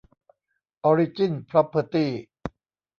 ออริจิ้น พร็อพเพอร์ตี้